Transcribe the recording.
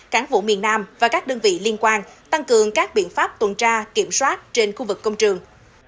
cán vụ miền nam và các đơn vị liên quan tăng cường các biện pháp tuần tra kiểm soát trên khu vực công trường